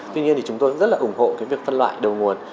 tuy nhiên chúng tôi rất ủng hộ việc phân loại đầu nguồn